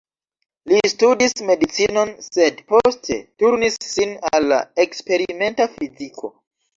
Li studis medicinon, sed poste turnis sin al la eksperimenta fiziko.